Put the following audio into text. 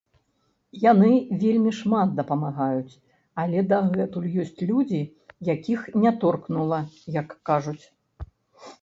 Яны вельмі шмат дапамагаюць, але дагэтуль ёсць людзі, якіх не торкнула, як кажуць.